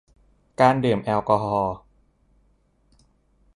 การดื่มแอลกอฮอล์